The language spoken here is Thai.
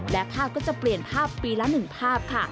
และภาพก็จะเปลี่ยนภาพปีละ๑ภาพค่ะ